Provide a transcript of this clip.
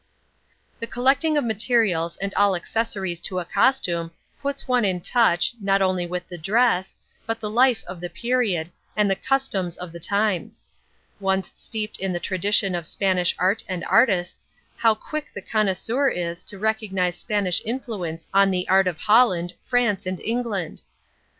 The collecting of materials and all accessories to a costume, puts one in touch, not only with the dress, but the life of the period, and the customs of the times. Once steeped in the tradition of Spanish art and artists, how quick the connoisseur is to recognize Spanish influence on the art of Holland, France and England.